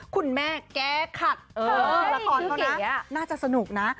คุณแม่แก๊คัดเออละครเขานะน่าจะสนุกนะ